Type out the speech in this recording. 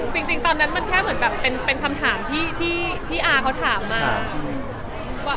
จริงตอนนั้นมันแค่เหมือนแบบเป็นคำถามที่อาเขาถามมาว่า